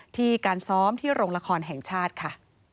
ที่การซ้อมที่โรงละครแห่งชาติค่ะ